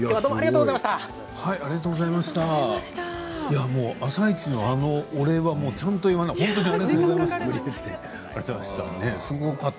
いや、もう「あさイチ」のあのお礼はちゃんと言わないと本当にありがとうございました。